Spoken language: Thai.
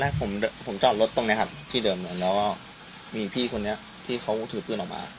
ก็มีพี่คนนี้ที่เขาชูบลุงลงมา